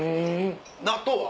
納豆は？